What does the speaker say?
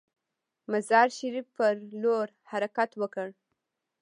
مزار شریف پر لور حرکت وکړ.